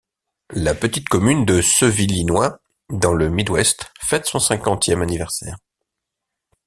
La petite commune de Sevillinois dans le Midwest fête son cinquantième anniversaire.